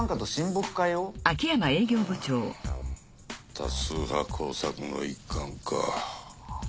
多数派工作の一環か。